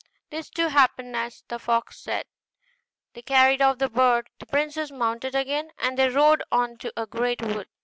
This, too, happened as the fox said; they carried off the bird, the princess mounted again, and they rode on to a great wood.